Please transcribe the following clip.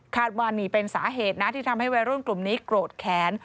ว่านี่เป็นสาเหตุนะที่ทำให้วัยรุ่นกลุ่มนี้โกรธแค้น